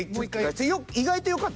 意外とよかった。